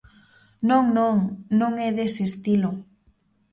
Non, non; non é dese estilo.